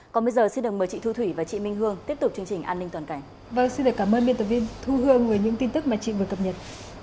còn bây giờ xin được mời chị thu thủy và chị minh hương tiếp tục chương trình an ninh toàn cảnh